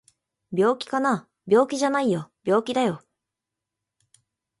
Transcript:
病気かな？病気じゃないよ病気だよ